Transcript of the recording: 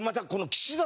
岸田